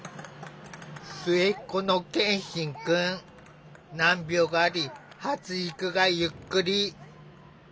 末っ子の難病があり発育がゆっくり。